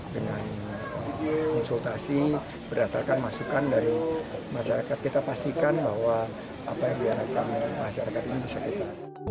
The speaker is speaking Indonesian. dengan konsultasi berdasarkan masukan dari masyarakat kita pastikan bahwa apa yang diharapkan oleh masyarakat ini bisa kita